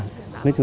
đi ngay bây giờ đâu